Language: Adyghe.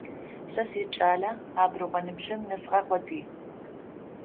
Сэ сикӏалэ абрагъуэ ныбжьым нэсыгъэ къодый.